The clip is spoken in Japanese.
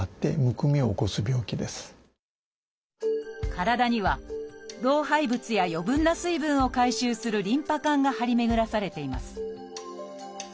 体には老廃物や余分な水分を回収するリンパ管が張り巡らされています。